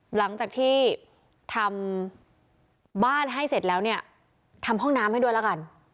หลังจากที่ทำบ้านให้เสร็จแล้วเนี่ยทำห้องน้ำให้ด้วยแล้วกัน